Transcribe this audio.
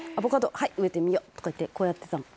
はい植えてみようとか言ってこうやってたの。